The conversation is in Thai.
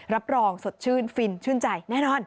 รับรองสดชื่นฟินชื่นใจแน่นอน